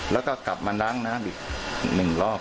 แล้วก็กลับมาล้างน้ำอีก๑รอบ